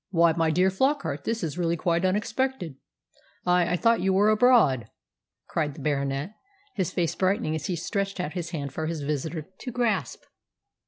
"Why, my dear Flockart, this is really quite unexpected. I I thought you were abroad," cried the Baronet, his face brightening as he stretched out his hand for his visitor to grasp.